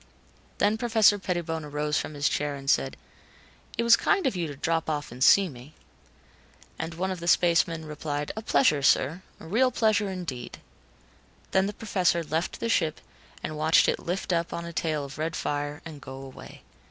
Then Professor Pettibone arose from his chair and said, "It was kind of you to drop off and see me." And one of the spacemen replied, "A pleasure, sir. A real pleasure indeed." Then the Professor left the ship and watched it lift up on a tail of red fire and go away.